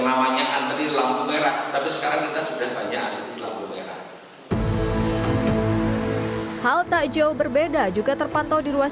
namanya antri lampu merah tapi sekarang kita sudah banyak di lampu merah hal tak jauh berbeda juga terpantau di ruas